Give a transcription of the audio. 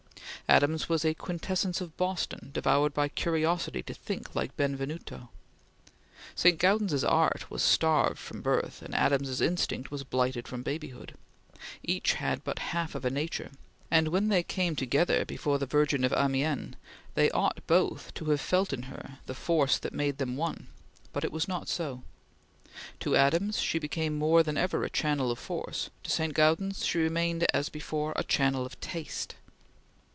Adams was a quintessence of Boston, devoured by curiosity to think like Benvenuto. St. Gaudens's art was starved from birth, and Adams's instinct was blighted from babyhood. Each had but half of a nature, and when they came together before the Virgin of Amiens they ought both to have felt in her the force that made them one; but it was not so. To Adams she became more than ever a channel of force; to St. Gaudens she remained as before a channel of taste.